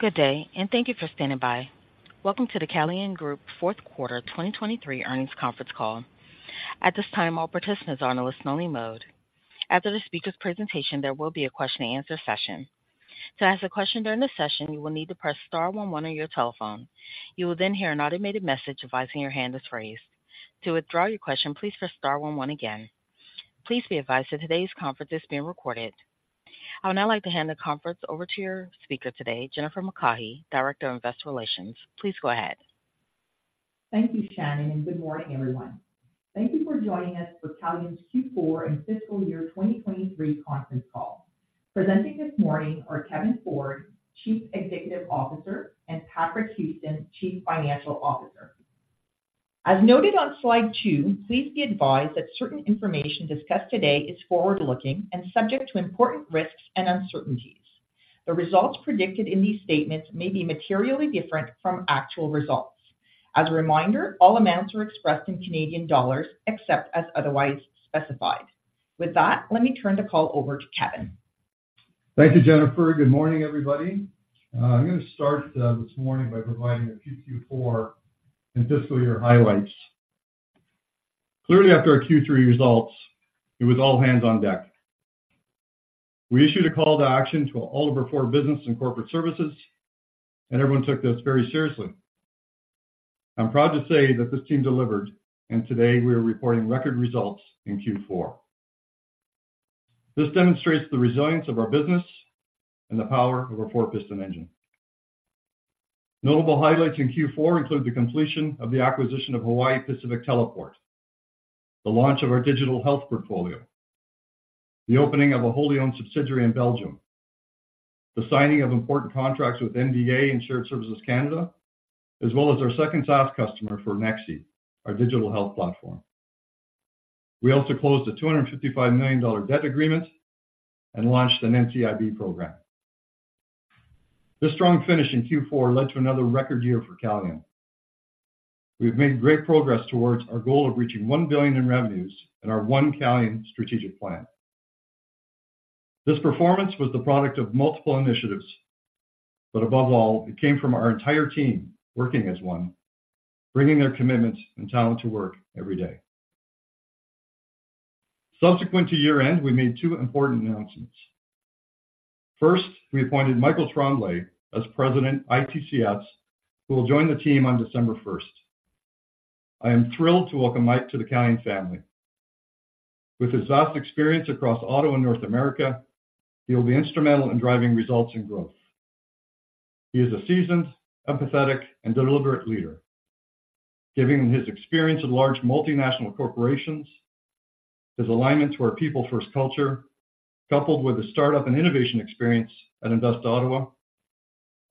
Good day, and thank you for standing by. Welcome to the Calian Group fourth quarter 2023 earnings conference call. At this time, all participants are on a listen only mode. After the speaker's presentation, there will be a question-and answer session. To ask a question during the session, you will need to press star one one on your telephone. You will then hear an automated message advising your hand is raised. To withdraw your question, please press star one one again. Please be advised that today's conference is being recorded. I would now like to hand the conference over to your speaker today, Jennifer McCaughey, Director of Investor Relations. Please go ahead. Thank you, Shannon, and good morning, everyone. Thank you for joining us for Calian's Q4 and fiscal year 2023 conference call. Presenting this morning are Kevin Ford, Chief Executive Officer, and Patrick Houston, Chief Financial Officer. As noted on slide 2, please be advised that certain information discussed today is forward-looking and subject to important risks and uncertainties. The results predicted in these statements may be materially different from actual results. As a reminder, all amounts are expressed in Canadian dollars, except as otherwise specified. With that, let me turn the call over to Kevin. Thank you, Jennifer. Good morning, everybody. I'm gonna start this morning by providing a few Q4 and fiscal year highlights. Clearly, after our Q3 results, it was all hands on deck. We issued a call to action to all of our four business and corporate services, and everyone took this very seriously. I'm proud to say that this team delivered, and today we are reporting record results in Q4. This demonstrates the resilience of our business and the power of a four-piston engine. Notable highlights in Q4 include the completion of the acquisition of Hawaii Pacific Teleport, the launch of our digital health portfolio, the opening of a wholly owned subsidiary in Belgium, the signing of important contracts with MDA and Shared Services Canada, as well as our second SaaS customer for Nexi, our digital health platform. We also closed a 255 million dollar debt agreement and launched an NCIB program. This strong finish in Q4 led to another record year for Calian. We've made great progress towards our goal of reaching 1 billion in revenues and our One Calian strategic plan. This performance was the product of multiple initiatives, but above all, it came from our entire team working as one, bringing their commitment and talent to work every day. Subsequent to year-end, we made two important announcements. First, we appointed Michael Tremblay as President, ITCS, who will join the team on December 1st. I am thrilled to welcome Mike to the Calian family. With his vast experience across Ottawa and North America, he will be instrumental in driving results and growth. He is a seasoned, empathetic, and deliberate leader. Given his experience in large multinational corporations, his alignment to our people first culture, coupled with the startup and innovation experience at Invest Ottawa,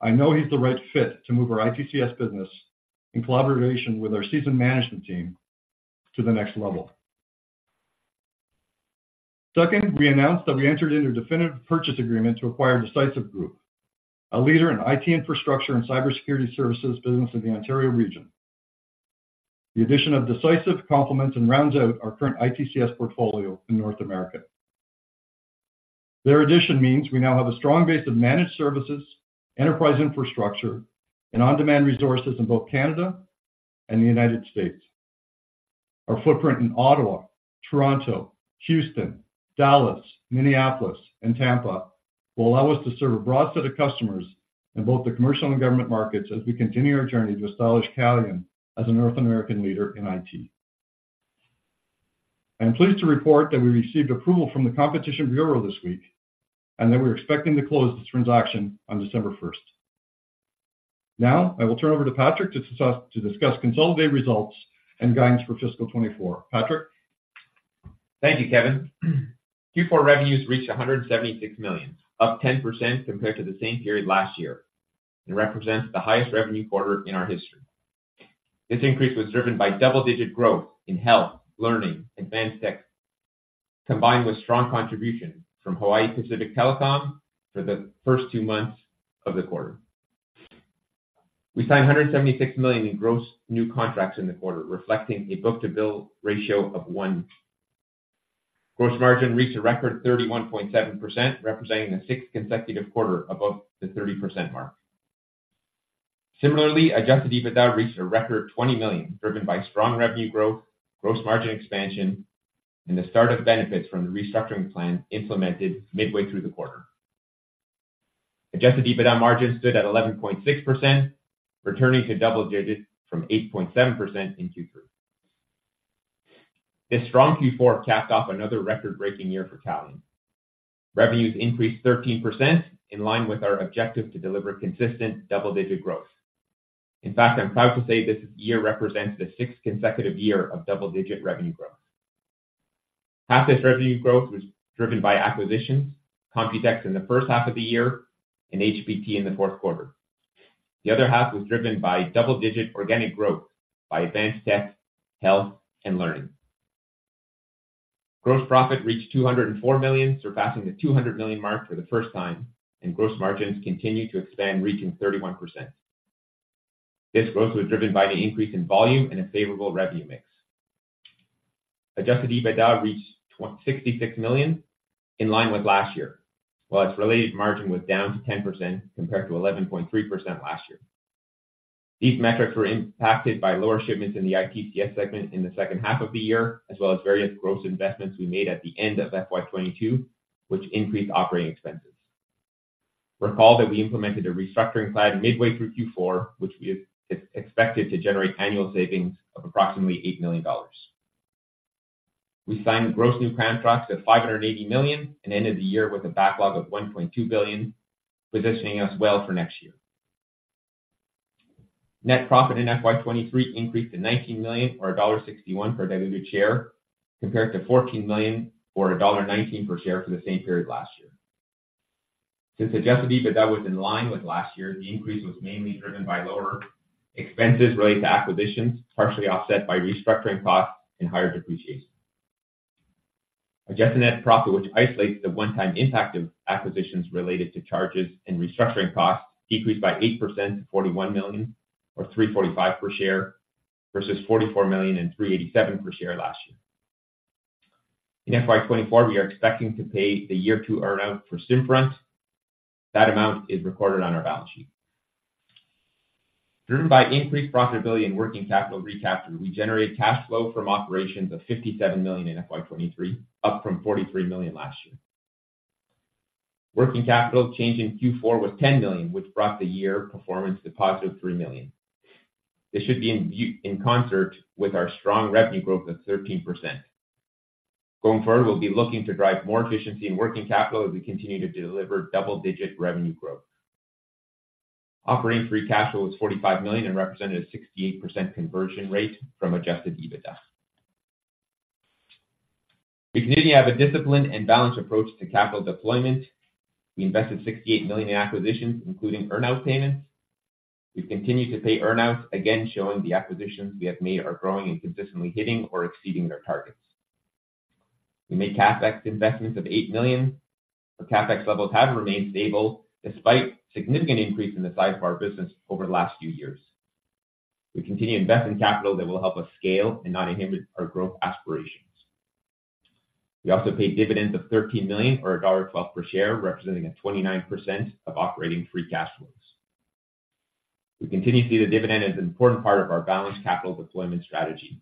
I know he's the right fit to move our ITCS business in collaboration with our seasoned management team to the next level. Second, we announced that we entered into a definitive purchase agreement to acquire Decisive Group, a leader in IT infrastructure and cybersecurity services business in the Ontario region. The addition of Decisive complements and rounds out our current ITCS portfolio in North America. Their addition means we now have a strong base of managed services, enterprise infrastructure, and on-demand resources in both Canada and the United States. Our footprint in Ottawa, Toronto, Houston, Dallas, Minneapolis, and Tampa will allow us to serve a broad set of customers in both the commercial and government markets as we continue our journey to establish Calian as a North American leader in IT. I am pleased to report that we received approval from the Competition Bureau this week, and that we're expecting to close this transaction on December 1st. Now, I will turn over to Patrick to discuss consolidated results and guidance for fiscal 2024. Patrick? Thank you, Kevin. Q4 revenues reached 176 million, up 10% compared to the same period last year, and represents the highest revenue quarter in our history. This increase was driven by double-digit growth in health, learning, advanced tech, combined with strong contribution from Hawaii Pacific Teleport for the first two months of the quarter. We signed 176 million in gross new contracts in the quarter, reflecting a book to bill ratio of 1. Gross margin reached a record 31.7%, representing the sixth consecutive quarter above the 30% mark. Similarly, adjusted EBITDA reached a record 20 million, driven by strong revenue growth, gross margin expansion, and the start of benefits from the restructuring plan implemented midway through the quarter. Adjusted EBITDA margin stood at 11.6%, returning to double digits from 8.7% in Q3. This strong Q4 capped off another record-breaking year for Calian. Revenues increased 13%, in line with our objective to deliver consistent double-digit growth. In fact, I'm proud to say this year represents the sixth consecutive year of double-digit revenue growth. Half this revenue growth was driven by acquisitions, Computex in the first half of the year and HPT in the fourth quarter. The other half was driven by double-digit organic growth by advanced tech, health, and learning. Gross profit reached 204 million, surpassing the 200 million mark for the first time, and gross margins continued to expand, reaching 31%. This growth was driven by the increase in volume and a favorable revenue mix. Adjusted EBITDA reached 26 million, in line with last year, while its related margin was down to 10% compared to 11.3% last year. These metrics were impacted by lower shipments in the ITCS segment in the second half of the year, as well as various gross investments we made at the end of FY 2022, which increased operating expenses. Recall that we implemented a restructuring plan midway through Q4, which we have expected to generate annual savings of approximately 8 million dollars. We signed gross new Crown contracts of 580 million, and ended the year with a backlog of 1.2 billion, positioning us well for next year. Net profit in FY 2023 increased to 19 million or dollar 1.61 per diluted share, compared to 14 million or dollar 1.19 per share for the same period last year. Since adjusted EBITDA was in line with last year, the increase was mainly driven by lower expenses related to acquisitions, partially offset by restructuring costs and higher depreciation. Adjusted net profit, which isolates the one-time impact of acquisitions related to charges and restructuring costs, decreased by 8% to 41 million, or 3.45 per share, versus 44 million and 3.87 per share last year. In FY 2024, we are expecting to pay the year 2 earn-out for SimFront. That amount is recorded on our balance sheet. Driven by increased profitability and working capital recapture, we generate cash flow from operations of 57 million in FY 2023, up from 43 million last year. Working capital change in Q4 was 10 million, which brought the year performance to positive 3 million. This should be in view, in concert with our strong revenue growth of 13%. Going forward, we'll be looking to drive more efficiency in working capital as we continue to deliver double-digit revenue growth. Operating free cash flow was 45 million and represented a 68% conversion rate from adjusted EBITDA. We continue to have a disciplined and balanced approach to capital deployment. We invested 68 million in acquisitions, including earn-out payments. We've continued to pay earn-outs, again, showing the acquisitions we have made are growing and consistently hitting or exceeding their targets. We made CapEx investments of 8 million. Our CapEx levels have remained stable despite significant increase in the size of our business over the last few years. We continue to invest in capital that will help us scale and not inhibit our growth aspirations. We also paid dividends of 13 million or dollar 1.12 per share, representing 29% of operating free cash flows. We continue to see the dividend as an important part of our balanced capital deployment strategy.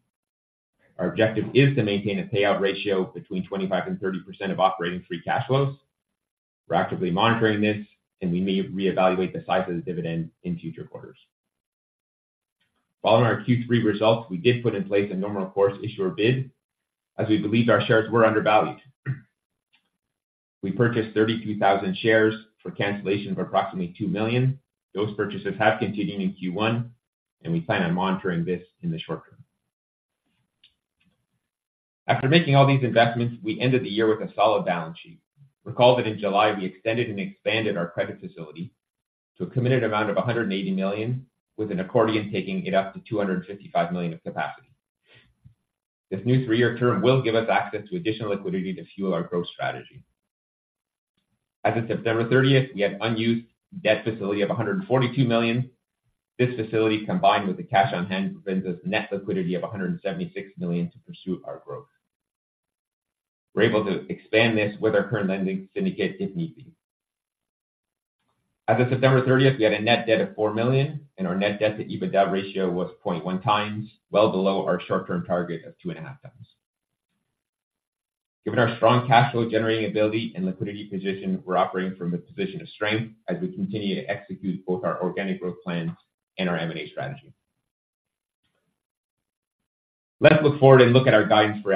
Our objective is to maintain a payout ratio between 25%-30% of operating free cash flows. We're actively monitoring this, and we may reevaluate the size of the dividend in future quarters. Following our Q3 results, we did put in place a normal course issuer bid, as we believed our shares were undervalued. We purchased 33,000 shares for cancellation of approximately 2 million. Those purchases have continued in Q1, and we plan on monitoring this in the short term. After making all these investments, we ended the year with a solid balance sheet. Recall that in July, we extended and expanded our credit facility to a committed amount of 180 million, with an accordion taking it up to 255 million of capacity. This new three-year term will give us access to additional liquidity to fuel our growth strategy. As of September 30th, we have unused debt facility of 142 million. This facility, combined with the cash on hand, provides us net liquidity of 176 million to pursue our growth. We're able to expand this with our current lending syndicate, if need be. As of September 30th, we had a net debt of 4 million, and our net debt to EBITDA ratio was 0.1x, well below our short-term target of 2.5x. Given our strong cash flow generating ability and liquidity position, we're operating from a position of strength as we continue to execute both our organic growth plans and our M&A strategy. Let's look forward and look at our guidance for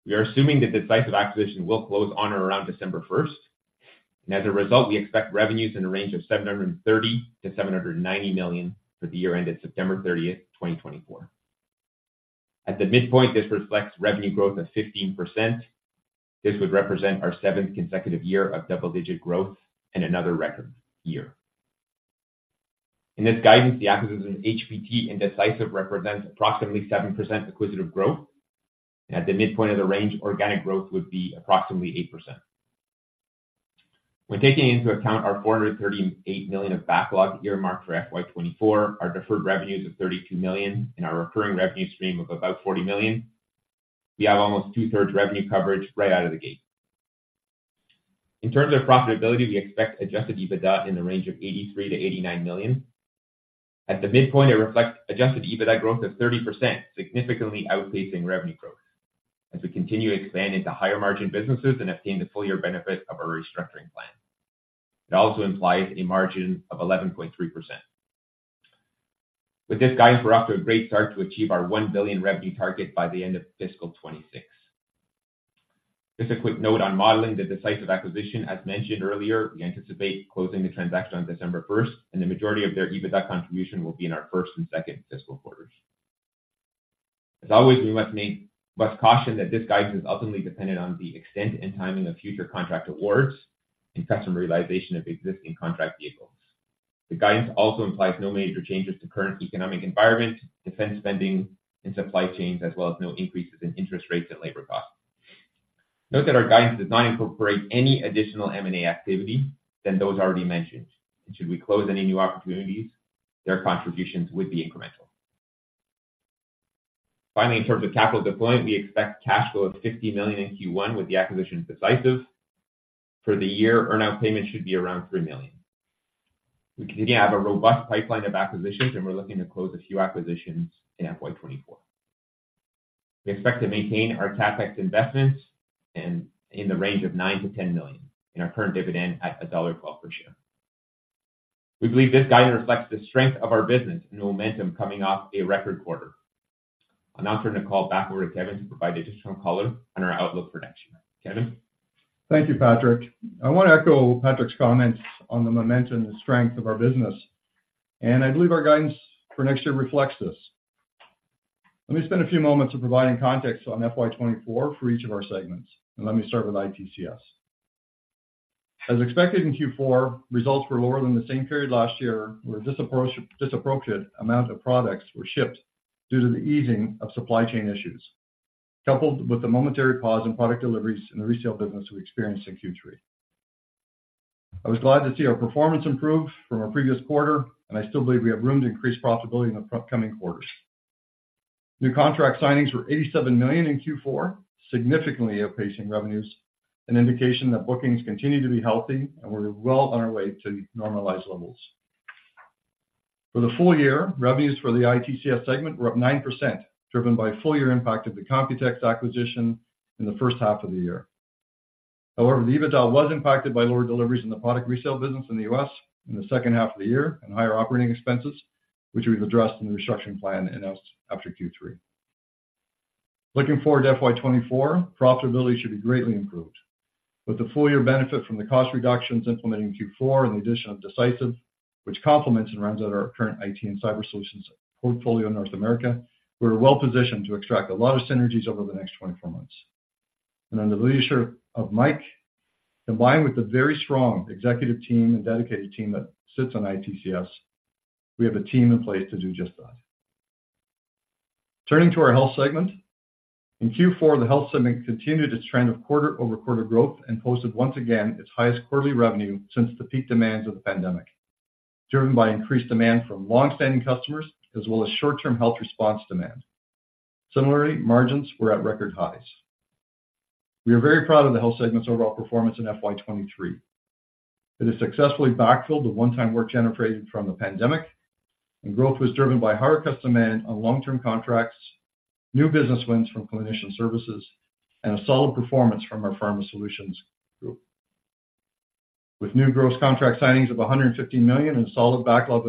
FY 2024. We are assuming the Decisive acquisition will close on or around December 1st. As a result, we expect revenues in the range of 730 million-790 million for the year ended September 30th, 2024. At the midpoint, this reflects revenue growth of 15%. This would represent our seventh consecutive year of double-digit growth and another record year. In this guidance, the acquisition of HPT and Decisive represents approximately 7% acquisitive growth, and at the midpoint of the range, organic growth would be approximately 8%. When taking into account our 438 million of backlog earmarked for FY 2024, our deferred revenues of 32 million, and our recurring revenue stream of about 40 million, we have almost two-thirds revenue coverage right out of the gate. In terms of profitability, we expect Adjusted EBITDA in the range of 83 million-89 million. At the midpoint, it reflects Adjusted EBITDA growth of 30%, significantly outpacing revenue growth as we continue to expand into higher-margin businesses and obtain the full-year benefit of our restructuring plan. It also implies a margin of 11.3%. With this guidance, we're off to a great start to achieve our 1 billion revenue target by the end of fiscal 2026. Just a quick note on modeling the Decisive acquisition. As mentioned earlier, we anticipate closing the transaction on December 1st, and the majority of their EBITDA contribution will be in our first and second fiscal quarters. As always, we must caution that this guidance is ultimately dependent on the extent and timing of future contract awards and customer realization of existing contract vehicles. The guidance also implies no major changes to current economic environment, defense spending, and supply chains, as well as no increases in interest rates and labor costs. Note that our guidance does not incorporate any additional M&A activity than those already mentioned, and should we close any new opportunities, their contributions would be incremental. Finally, in terms of capital deployment, we expect cash flow of 50 million in Q1 with the acquisition Decisive. For the year, earn-out payments should be around 3 million. We continue to have a robust pipeline of acquisitions, and we're looking to close a few acquisitions in FY 2024. We expect to maintain our CapEx investments and in the range of 9 million-10 million, and our current dividend at dollar 1.12 per share. We believe this guidance reflects the strength of our business and the momentum coming off a record quarter. I'll now turn the call back over to Kevin to provide additional color on our outlook for next year. Kevin? Thank you, Patrick. I want to echo Patrick's comments on the momentum and strength of our business, and I believe our guidance for next year reflects this. Let me spend a few moments of providing context on FY 2024 for each of our segments, and let me start with ITCS. As expected in Q4, results were lower than the same period last year, where disproportionate amount of products were shipped due to the easing of supply chain issues, coupled with the momentary pause in product deliveries in the resale business we experienced in Q3. I was glad to see our performance improve from our previous quarter, and I still believe we have room to increase profitability in the upcoming quarters. New contract signings were 87 million in Q4, significantly outpacing revenues, an indication that bookings continue to be healthy, and we're well on our way to normalized levels. For the full year, revenues for the ITCS segment were up 9%, driven by full-year impact of the Computex acquisition in the first half of the year. However, the EBITDA was impacted by lower deliveries in the product resale business in the U.S. in the second half of the year and higher operating expenses, which we've addressed in the restructuring plan announced after Q3. Looking forward to FY 2024, profitability should be greatly improved. With the full year benefit from the cost reductions implemented in Q4 and the addition of Decisive, which complements and rounds out our current IT and cyber solutions portfolio in North America, we're well-positioned to extract a lot of synergies over the next 24 months. Under the leadership of Mike, combined with the very strong executive team and dedicated team that sits on ITCS, we have a team in place to do just that. Turning to our health segment. In Q4, the health segment continued its trend of quarter-over-quarter growth and posted once again its highest quarterly revenue since the peak demands of the pandemic, driven by increased demand from long-standing customers as well as short-term health response demand. Similarly, margins were at record highs. We are very proud of the health segment's overall performance in FY 2023. It has successfully backfilled the one-time work generated from the pandemic, and growth was driven by higher customer demand on long-term contracts, new business wins from clinician services, and a solid performance from our Pharma Solutions group. With new gross contract signings of 150 million and a solid backlog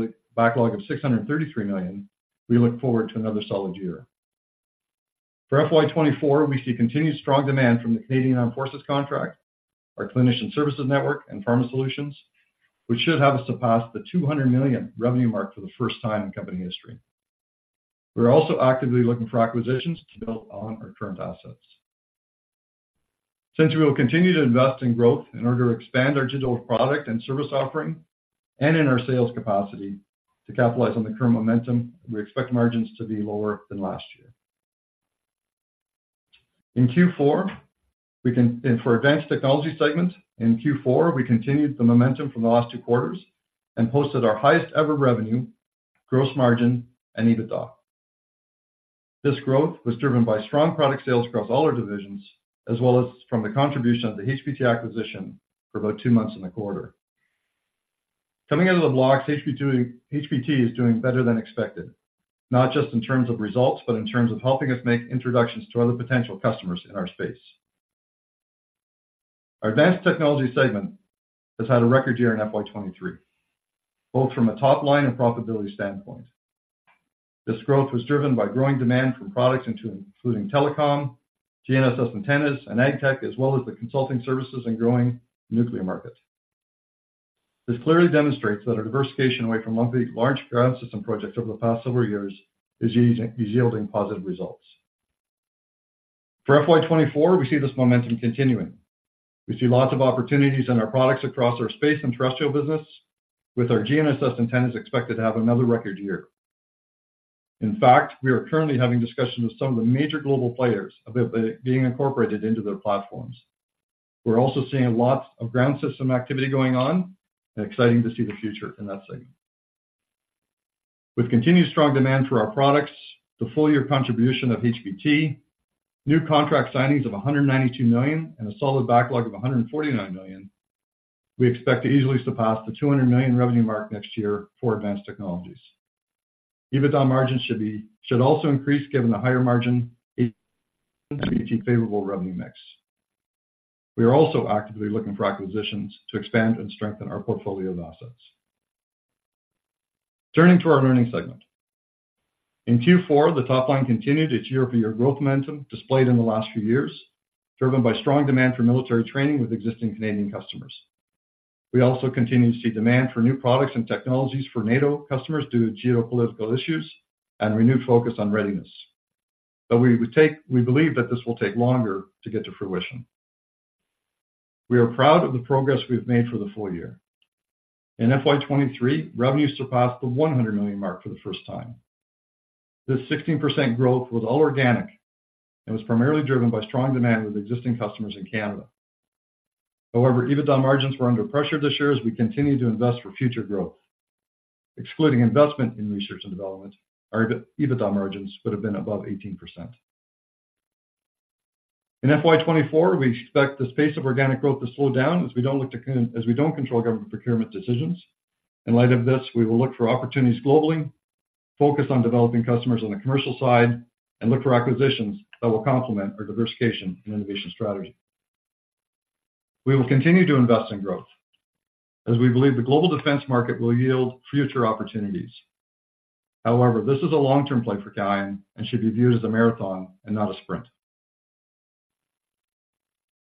of 633 million, we look forward to another solid year. For FY 2024, we see continued strong demand from the Canadian Armed Forces contract, our clinician services network, and Pharma Solutions, which should have us surpass the 200 million revenue mark for the first time in company history. We are also actively looking for acquisitions to build on our current assets. Since we will continue to invest in growth in order to expand our digital product and service offering and in our sales capacity to capitalize on the current momentum, we expect margins to be lower than last year. In Q4, for Advanced Technologies segment, in Q4, we continued the momentum from the last two quarters and posted our highest-ever revenue, gross margin, and EBITDA. This growth was driven by strong product sales across all our divisions, as well as from the contribution of the HPT acquisition for about two months in the quarter. Coming out of the blocks, HPT is doing better than expected, not just in terms of results, but in terms of helping us make introductions to other potential customers in our space. Our Advanced Technologies segment has had a record year in FY 2023, both from a top-line and profitability standpoint. This growth was driven by growing demand for products including telecom, GNSS antennas, and AgTech, as well as the consulting services and growing nuclear market. This clearly demonstrates that our diversification away from large ground system projects over the past several years is yielding positive results. For FY 2024, we see this momentum continuing. We see lots of opportunities in our products across our space and terrestrial business, with our GNSS antennas expected to have another record year. In fact, we are currently having discussions with some of the major global players about being incorporated into their platforms. We're also seeing lots of ground system activity going on and exciting to see the future in that segment. With continued strong demand for our products, the full year contribution of HPT, new contract signings of 192 million, and a solid backlog of 149 million, we expect to easily surpass the 200 million revenue mark next year for advanced technologies. EBITDA margins should also increase given the higher margin HPT favorable revenue mix. We are also actively looking for acquisitions to expand and strengthen our portfolio of assets. Turning to our learning segment. In Q4, the top line continued its year-over-year growth momentum displayed in the last few years, driven by strong demand for military training with existing Canadian customers. We also continue to see demand for new products and technologies for NATO customers due to geopolitical issues and renewed focus on readiness. But we believe that this will take longer to get to fruition. We are proud of the progress we've made for the full year. In FY 2023, revenue surpassed the 100 million mark for the first time. This 16% growth was all organic and was primarily driven by strong demand with existing customers in Canada. However, EBITDA margins were under pressure this year as we continued to invest for future growth. Excluding investment in research and development, our EBITDA margins would have been above 18%. In FY 2024, we expect the pace of organic growth to slow down, as we don't control government procurement decisions. In light of this, we will look for opportunities globally, focus on developing customers on the commercial side, and look for acquisitions that will complement our diversification and innovation strategy. We will continue to invest in growth, as we believe the global defense market will yield future opportunities. However, this is a long-term play for Calian and should be viewed as a marathon and not a sprint.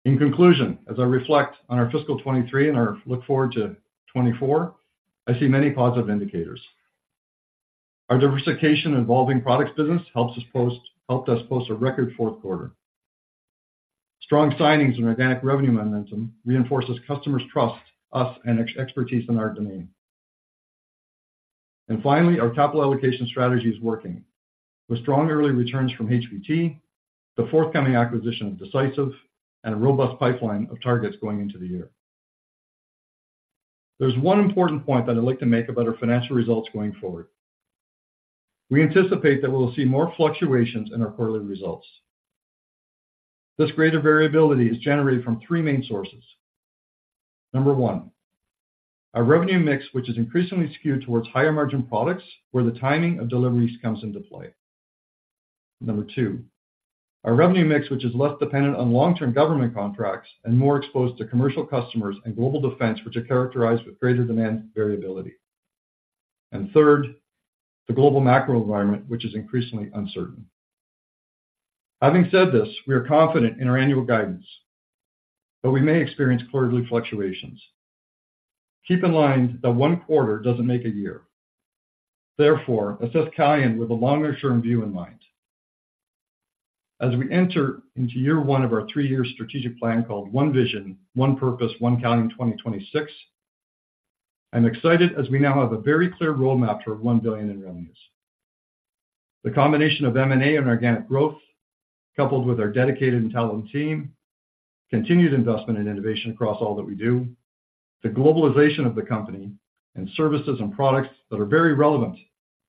In conclusion, as I reflect on our fiscal 2023 and our look forward to 2024, I see many positive indicators. Our diversification involving products business helped us post a record fourth quarter. Strong signings and organic revenue momentum reinforces customers' trust in us and expertise in our domain. Finally, our capital allocation strategy is working, with strong early returns from HPT, the forthcoming acquisition of Decisive, and a robust pipeline of targets going into the year. There's one important point that I'd like to make about our financial results going forward. We anticipate that we will see more fluctuations in our quarterly results. This greater variability is generated from three main sources. Number one, our revenue mix, which is increasingly skewed towards higher-margin products, where the timing of deliveries comes into play. Number two, our revenue mix, which is less dependent on long-term government contracts and more exposed to commercial customers and global defense, which are characterized with greater demand variability. And third, the global macro environment, which is increasingly uncertain. Having said this, we are confident in our annual guidance, but we may experience quarterly fluctuations. Keep in mind that one quarter doesn't make a year. Therefore, assess Calian with a longer-term view in mind. As we enter into year one of our three-year strategic plan, called One Vision, One Purpose, One Calian 2026, I'm excited as we now have a very clear roadmap to our 1 billion in revenues. The combination of M&A and organic growth, coupled with our dedicated and talented team, continued investment in innovation across all that we do, the globalization of the company, and services and products that are very relevant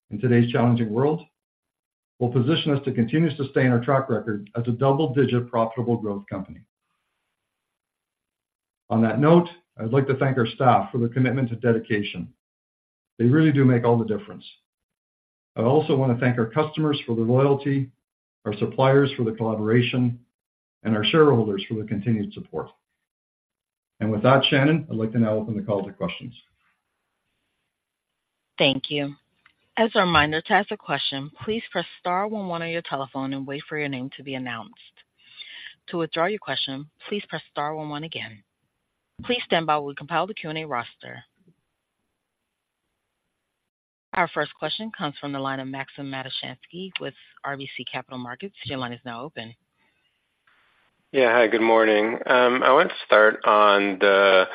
in today's challenging world, will position us to continue to sustain our track record as a double-digit profitable growth company. On that note, I'd like to thank our staff for their commitment to dedication. They really do make all the difference. I also want to thank our customers for their loyalty, our suppliers for the collaboration, and our shareholders for their continued support. And with that, Shannon, I'd like to now open the call to questions. Thank you. As a reminder, to ask a question, please press star one one on your telephone and wait for your name to be announced. To withdraw your question, please press star one one again. Please stand by while we compile the Q&A roster. Our first question comes from the line of Maxim Matushansky with RBC Capital Markets. Your line is now open. Yeah, hi, good morning. I wanted to start on the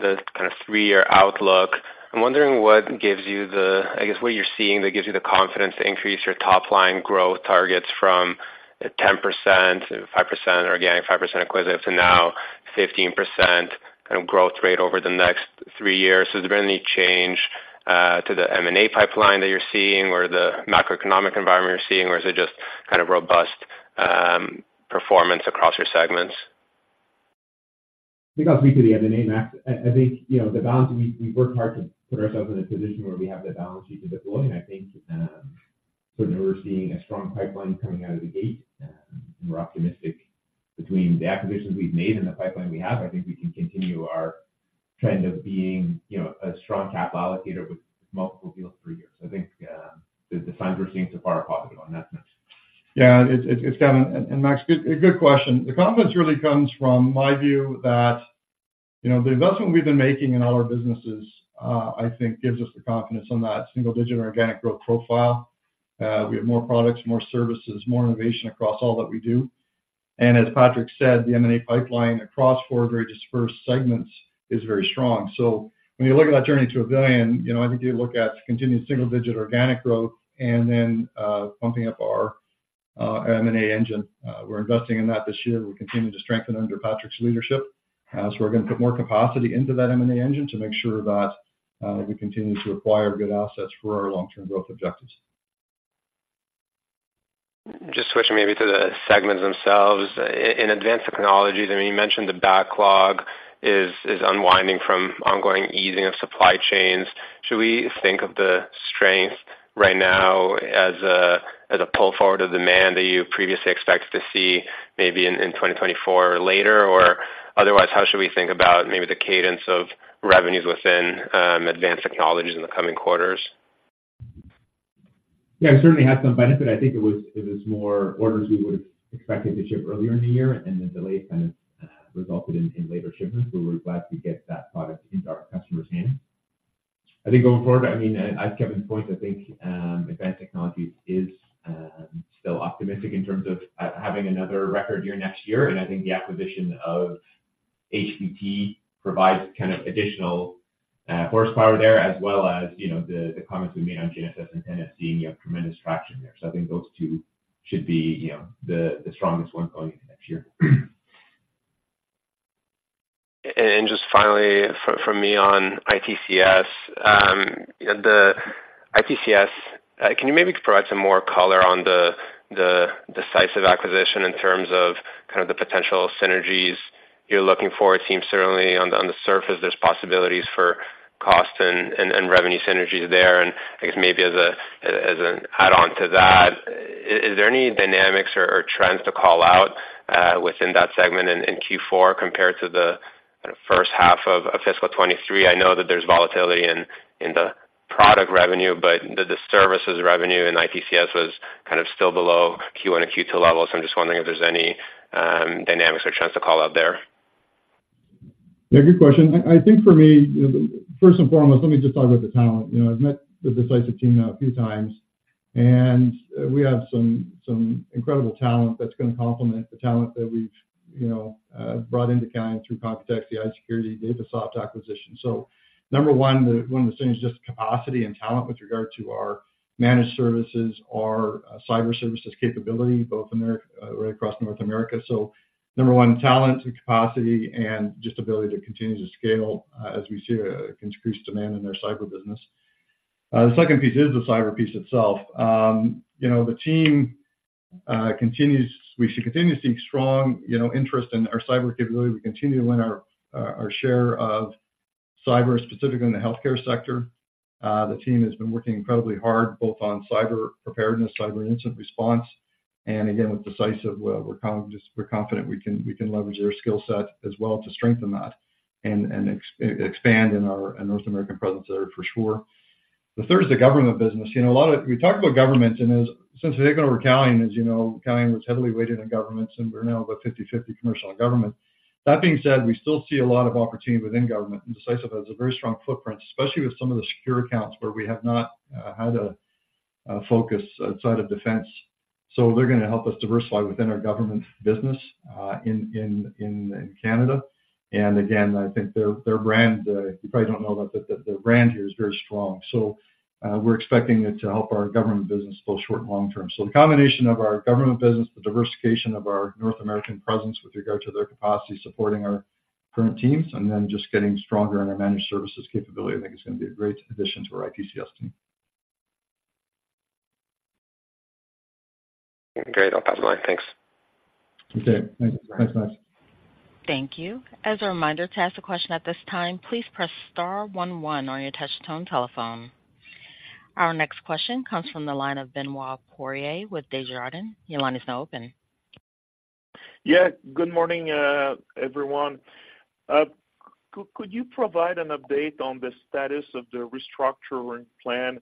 kind of three-year outlook. I'm wondering what gives you the, I guess, what you're seeing that gives you the confidence to increase your top-line growth targets from 10%, 5% organic, 5% acquisitive, to now 15% kind of growth rate over the next three years. So has there been any change to the M&A pipeline that you're seeing or the macroeconomic environment you're seeing, or is it just kind of robust performance across your segments? I think I'll speak to the M&A, Max. I think, you know, the balance, we worked hard to put ourselves in a position where we have the balance sheet to deploy. And I think, certainly we're seeing a strong pipeline coming out of the gate, and we're optimistic between the acquisitions we've made and the pipeline we have, I think we can continue our trend of being, you know, a strong capital allocator with multiple deals for years. I think, the signs we're seeing so far are positive on that front. Yeah, and, Max, good question. The confidence really comes from my view that, you know, the investment we've been making in all our businesses, I think gives us the confidence on that single-digit organic growth profile. We have more products, more services, more innovation across all that we do. And as Patrick said, the M&A pipeline across four very dispersed segments is very strong. So when you look at that journey to 1 billion, you know, I think you look at continued single-digit organic growth and then, pumping up our M&A engine. We're investing in that this year. We're continuing to strengthen under Patrick's leadership. So we're going to put more capacity into that M&A engine to make sure that we continue to acquire good assets for our long-term growth objectives. Just switching maybe to the segments themselves. In advanced technologies, I mean, you mentioned the backlog is unwinding from ongoing easing of supply chains. Should we think of the strength right now as a pull forward of demand that you previously expected to see maybe in 2024 or later or otherwise, how should we think about maybe the cadence of revenues within advanced technologies in the coming quarters? Yeah, it certainly had some benefit. I think it was more orders we would have expected to ship earlier in the year, and the delay kind of resulted in later shipments. We were glad to get that product into our customers' hands. I think going forward, I mean, at Kevin's point, I think Advanced Technologies is still optimistic in terms of having another record year next year. And I think the acquisition of HPT provides kind of additional horsepower there, as well as, you know, the comments we made on GNSS and NSC, and you have tremendous traction there. So I think those two should be, you know, the strongest ones going into next year. Just finally, from me on ITCS. The ITCS, can you maybe provide some more color on the Decisive acquisition in terms of kind of the potential synergies you're looking for? It seems certainly on the surface, there's possibilities for cost and revenue synergies there. I guess maybe as an add-on to that, is there any dynamics or trends to call out within that segment in Q4 compared to the first half of fiscal 2023? I know that there's volatility in the product revenue, but the services revenue in ITCS was kind of still below Q1 and Q2 levels. I'm just wondering if there's any dynamics or trends to call out there. Yeah, good question. I think for me, first and foremost, let me just talk about the talent. You know, I've met the Decisive team a few times, and we have some incredible talent that's going to complement the talent that we've, you know, brought into Calian through Computex, the iSecurity, the Dapasoft acquisition. So number one, one of the things, just capacity and talent with regard to our managed services, our cyber services capability, both in America, right across North America. So number one, talent and capacity and just ability to continue to scale, as we see increased demand in their cyber business. The second piece is the cyber piece itself. You know, the team continues, we should continue to see strong, you know, interest in our cyber capability. We continue to win our share of cyber, specifically in the healthcare sector. The team has been working incredibly hard, both on cyber preparedness, cyber incident response, and again, with Decisive, we're confident we can leverage their skill set as well to strengthen that and expand in our North American presence there for sure. The third is the government business. You know, we talk about government, and as since we've taken over Calian, as you know, Calian was heavily weighted in governments, and we're now about 50/50 commercial and government. That being said, we still see a lot of opportunity within government, and Decisive has a very strong footprint, especially with some of the secure accounts where we have not had a focus outside of defense. So they're going to help us diversify within our government business in Canada. And again, I think their brand, you probably don't know about, but their brand here is very strong. So, we're expecting it to help our government business both short and long-term. So the combination of our government business, the diversification of our North American presence with regard to their capacity, supporting our current teams, and then just getting stronger in our managed services capability, I think it's going to be a great addition to our ITCS team. Great. I'll pass the line. Thanks. Okay, thanks. Thanks, guys. Thank you. As a reminder, to ask a question at this time, please press star one one on your touch tone telephone. Our next question comes from the line of Benoit Poirier with Desjardins. Your line is now open. Yeah. Good morning, everyone. Could you provide an update on the status of the restructuring plan?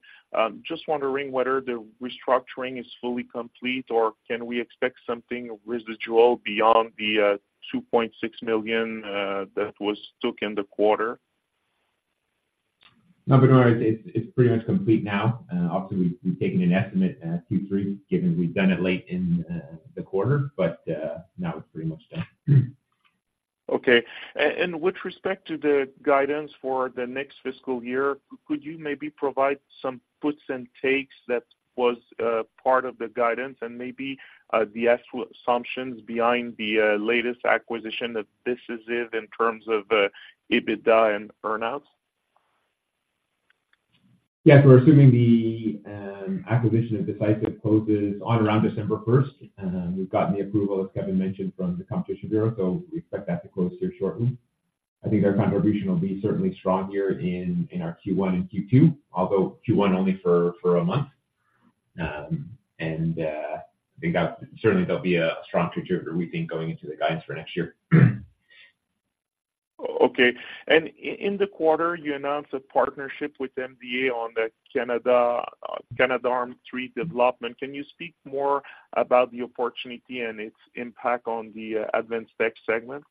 Just wondering whether the restructuring is fully complete, or can we expect something residual beyond the 2.6 million that was took in the quarter? No, Benoit, it's pretty much complete now. Obviously, we've taken an estimate at Q3, given we've done it late in the quarter, but now it's pretty much done. Okay. And with respect to the guidance for the next fiscal year, could you maybe provide some puts and takes that was part of the guidance and maybe the actual assumptions behind the latest acquisition, that this is it in terms of EBITDA and earnouts? Yes, we're assuming the acquisition of Decisive closes on around December 1st. We've gotten the approval, as Kevin mentioned, from the Competition Bureau, so we expect that to close here shortly. I think their contribution will be certainly stronger in our Q1 and Q2, although Q1 only for a month. And I think that certainly there'll be a strong contributor, we think, going into the guidance for next year. Okay. In the quarter, you announced a partnership with MDA on the Canadarm3 development. Can you speak more about the opportunity and its impact on the advanced tech segment?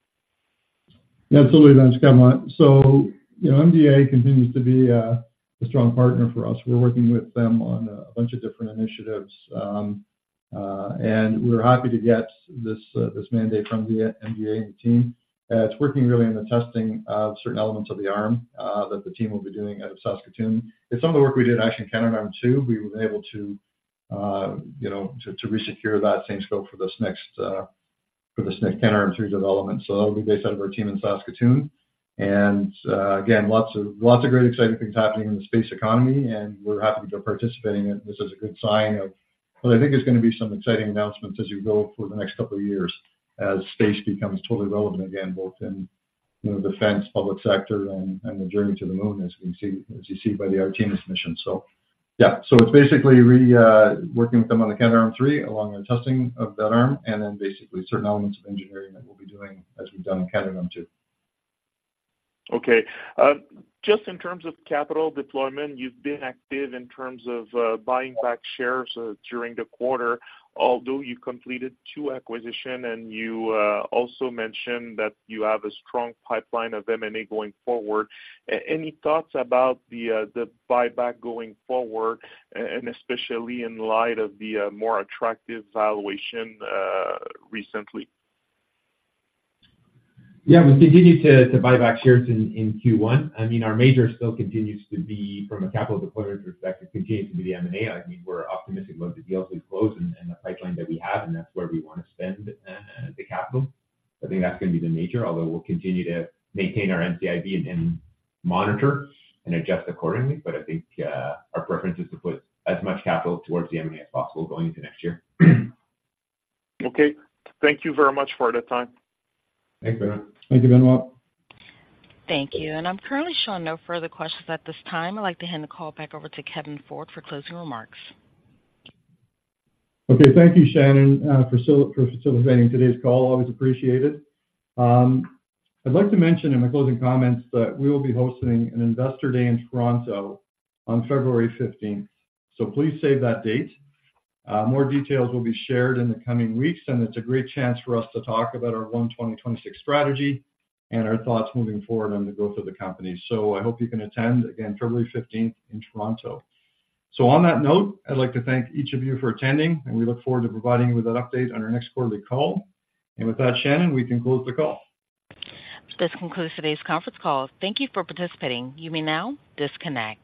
Yeah, absolutely, Benoit. So, you know, MDA continues to be a strong partner for us. We're working with them on a bunch of different initiatives. And we're happy to get this this mandate from the MDA team. It's working really on the testing of certain elements of the arm that the team will be doing out of Saskatoon. It's some of the work we did, actually, in Canadarm2. We were able to, you know to resecure that same scope for this next, for this next Canadarm3 development. So that'll be based out of our team in Saskatoon. And, again, lots of, lots of great exciting things happening in the space economy, and we're happy to participating in it. This is a good sign, well, I think there's going to be some exciting announcements as you go for the next couple of years, as space becomes totally relevant again, both in, you know, defense, public sector and, and the journey to the moon, as you see by the Artemis mission. So yeah, so it's basically really working with them on the Canadarm3, along the testing of that arm, and then basically certain elements of engineering that we'll be doing as we've done in Canadarm2. Okay. Just in terms of capital deployment, you've been active in terms of buying back shares during the quarter, although you completed two acquisition, and you also mentioned that you have a strong pipeline of M&A going forward. Any thoughts about the the buyback going forward, and especially in light of the more attractive valuation recently? Yeah, we've continued to buy back shares in Q1. I mean, our major still continues to be, from a capital deployment perspective, continues to be the M&A. I mean, we're optimistic about the deals we've closed and the pipeline that we have, and that's where we want to spend the capital. I think that's going to be the major, although we'll continue to maintain our NCIB and monitor and adjust accordingly. But I think our preference is to put as much capital towards the M&A as possible going into next year. Okay. Thank you very much for the time. Thanks, Benoit. Thank you, Benoit. Thank you. I'm currently showing no further questions at this time. I'd like to hand the call back over to Kevin Ford for closing remarks. Okay. Thank you, Shannon, for facilitating today's call. Always appreciated. I'd like to mention in my closing comments that we will be hosting an investor day in Toronto on February 15th, so please save that date. More details will be shared in the coming weeks, and it's a great chance for us to talk about our 2026 strategy and our thoughts moving forward on the growth of the company. So I hope you can attend, again, February 15th in Toronto. So on that note, I'd like to thank each of you for attending, and we look forward to providing you with an update on our next quarterly call. And with that, Shannon, we can close the call. This concludes today's conference call. Thank you for participating. You may now disconnect.